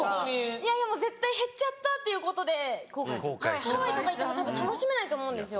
いやいやもう絶対減っちゃったっていうことでハワイとか行ってもたぶん楽しめないと思うんですよ。